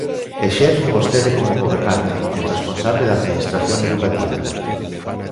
Exerza vostede como gobernante, como responsable da Administración educativa.